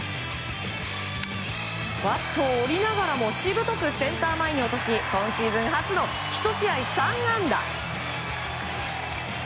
バットを折りながらもしぶとくセンター前に落とし今シーズン初の１試合３安打。